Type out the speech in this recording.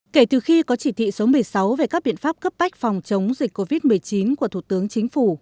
kể từ khi có chỉ thị số một mươi sáu về các biện pháp cấp bách phòng chống dịch covid một mươi chín của thủ tướng chính phủ